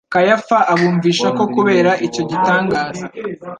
Kayafa abumvisha ko kubera icyo gitangaza,